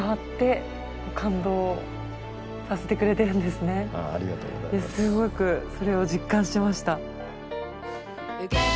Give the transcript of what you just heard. すごくそれを実感しました。